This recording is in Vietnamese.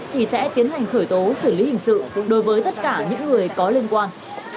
thì sẽ tiến hành khởi tố xử lý hình sự đối với tất cả những người có liên quan